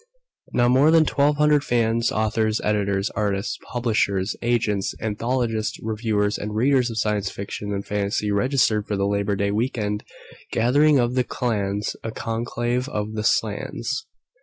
Now more than twelve hundred fans, authors, editors, artists, publishers, agents, anthologists, reviewers and readers of science fiction and fantasy registered for the Labor Day Weekend gathering of the clans, a conclave of the slans.